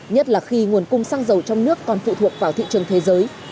nhất là khi nguồn cung xăng dầu trong nước còn phụ thuộc vào thị trường thế giới